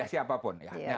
ya siapapun ya